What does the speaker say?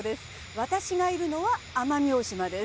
私がいるのは奄美大島です。